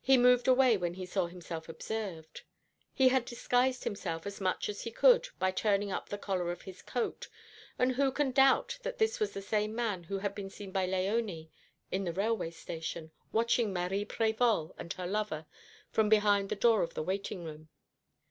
He moved away when he saw himself observed. He had disguised himself as much as he could by turning up the collar of his coat; and who can doubt that this was the same man who had been seen by Léonie in the railway station, watching Marie Prévol and her lover from behind the door of the waiting room?